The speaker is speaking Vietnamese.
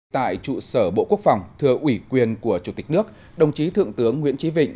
tại trụ sở bộ quốc phòng thừa ủy quyền của chủ tịch nước đồng chí thượng tướng nguyễn trí vịnh